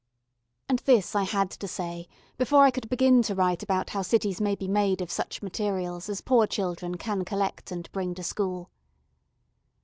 And this I had to say before I could begin to write about how cities may be built of such materials as poor children can collect and bring to school.